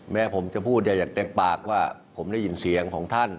แม้ผมจะพูดอย่างเต็มปากว่าผมได้ยินเสียงของท่าน